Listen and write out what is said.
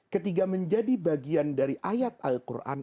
ketiga menjadi bagian dari ayat al quran